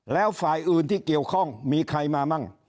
แล้วฝ่ายอื่นที่เกี่ยวข้องมีใครมามั่ง